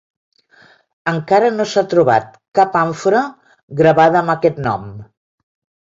Encara no s'ha trobat cap àmfora gravada amb aquest nom.